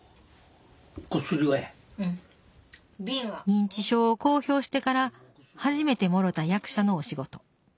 認知症を公表してから初めてもろた役者のお仕事。